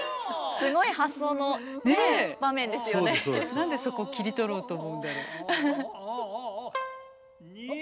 何でそこ切り取ろうと思うんだろ？